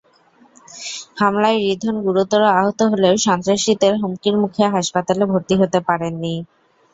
হামলায় রিধন গুরুতর আহত হলেও সন্ত্রাসীদের হুমকির মুখে হাসপাতালে ভর্তি হতে পারেননি।